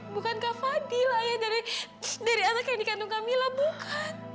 bukan kak fadil ayah dari anak yang dikandung kak mila bukan